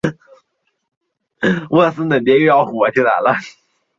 量子密钥分发是利用量子力学特性实现密码协议的方法。